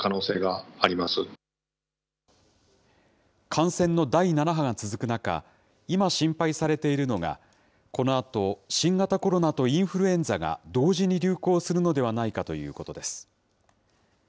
感染の第７波が続く中、今、心配されているのが、このあと、新型コロナとインフルエンザが同時に流行するのではないかということです。